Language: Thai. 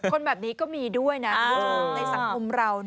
คนแบบนี้ก็มีด้วยนะคุณผู้ชมในสังคมเรา